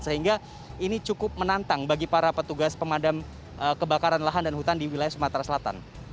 sehingga ini cukup menantang bagi para petugas pemadam kebakaran lahan dan hutan di wilayah sumatera selatan